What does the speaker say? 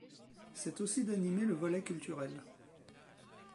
C'est aussi d'animer le volet culturel.